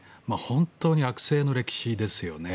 本当に悪政の歴史ですよね。